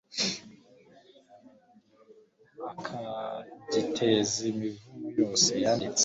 akagiteza imivumo yose yanditse